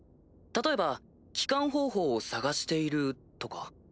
例えば帰還方法を探しているとか？